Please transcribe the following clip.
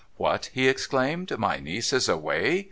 'What!' he exclaimed, 'my niece is away?